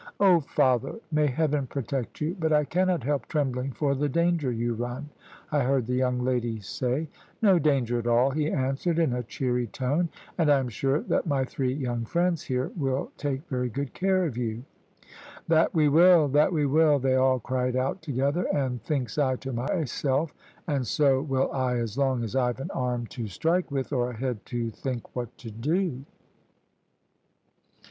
"`Oh, father, may Heaven protect you, but I cannot help trembling for the danger you run,' I heard the young lady say. "`No danger at all,' he answered, in a cheery tone; `and I am sure that my three young friends here will take very good care of you.' "`That we will, that we will;' they all cried out together, and thinks I to myself, `and so will I as long as I've an arm to strike with, or a head to think what to do.'